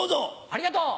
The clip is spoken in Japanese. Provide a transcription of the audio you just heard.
ありがとう！